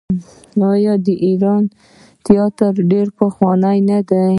آیا د ایران تیاتر ډیر پخوانی نه دی؟